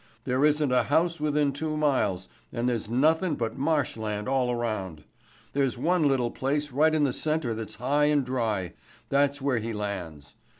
There isn't a house within two miles, and there's nothin' but marsh land all around. There's one little place right in the center that's high and dry. That's where he lands.